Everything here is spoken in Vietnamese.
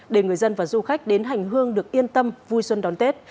để người dân và du khách đến hành hương được yên tâm vui xuân đón tết